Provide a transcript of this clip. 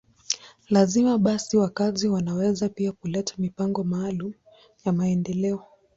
Lakini basi, wakazi wanaweza pia kuleta mipango maalum ya maendeleo.